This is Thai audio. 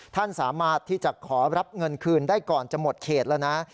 ท่านสามารถที่จะขอรับเงินคืนได้ก่อนจะหมดเขตแล้วนะ